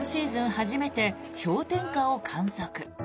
初めて氷点下を観測。